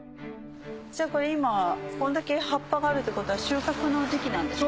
今これだけ葉っぱがあるってことは収穫の時期なんですか？